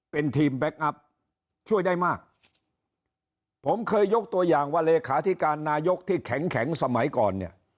เป็นทีมแบ็คอัพช่วยได้มากผมเคยยกตัวอย่างว่าเลขาธิการนายกที่แข็งแข็งสมัยก่อนเนี่ย